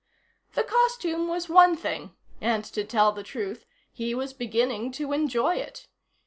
The costume was one thing, and, to tell the truth, he was beginning to enjoy it.